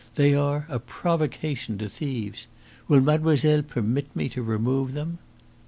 They are a provocation to thieves. Will mademoiselle permit me to remove them?"